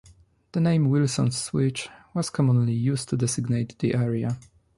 The name "Wilson's Switch" was commonly used to designate the area.